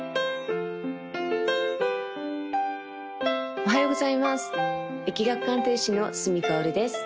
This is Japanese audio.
おはようございます易学鑑定士の角かおるです